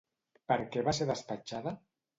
Per què va ser despatxada?